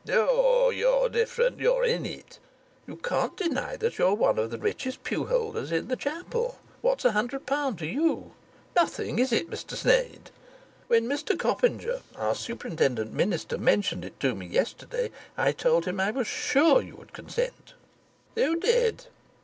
"Oh, you're different. You're in it." "You can't deny that you're one of the richest pew holders in the chapel. What's a hundred pound to you? Nothing, is it, Mr Sneyd? When Mr Copinger, our superintendent minister, mentioned it to me yesterday, I told him I was sure you would consent." "You did?"